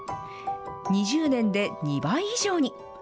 ２０年で２倍以上に。